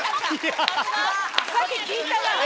さっき聞いたな。